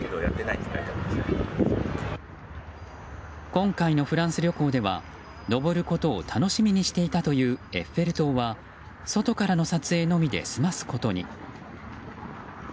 今回のフランス旅行では上ることを楽しみにしていたというエッフェル塔は外からの撮影のみで済ますことに。